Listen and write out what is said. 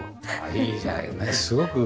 いいじゃないねすごく。